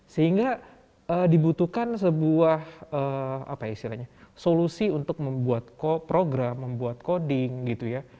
sehingga dibutuhkan sebuah solusi untuk membuat program membuat coding gitu ya